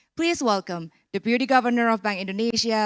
silakan mengucapkan selamat datang pembuatan pemerintah bank indonesia